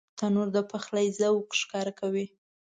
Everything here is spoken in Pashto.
تنور د پخلي ذوق ښکاره کوي